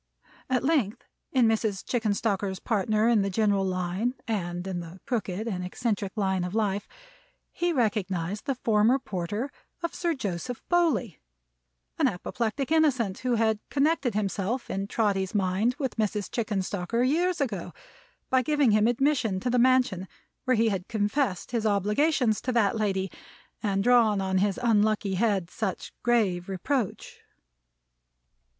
At length, in Mrs. Chickenstalker's partner in the general line, and in the crooked and eccentric line of life, he recognized the former porter of Sir Joseph Bowley; an apoplectic innocent, who had connected himself in Trotty's mind with Mrs. Chickenstalker years ago, by giving him admission to the mansion where he had confessed his obligations to that lady, and drawn on his unlucky head such grave reproach.